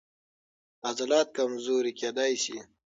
عضلات کمزوري کېدای شي.